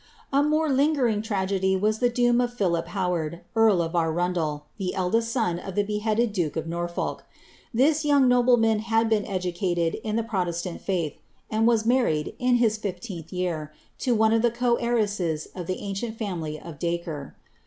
A more lingering tragedy was the doom of Pliilip Howard, earl of Arundel, the eldest son of the beheaded duke cf Norfolk. This young nobleman had been educated in the proiestani faith, and was marric<l, in his fifteenth year, to one of the co heiresses of the ancient family of Dacre.